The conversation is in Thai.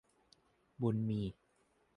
บุญมี